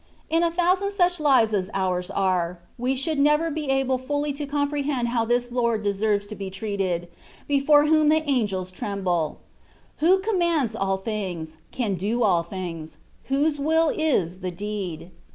In a thousand such lives as ours are, we should never be able fully to comprehend how this Lord deserves to be treated, before whom the angels tremble : who commands all things, can do all things, whose will is the deed.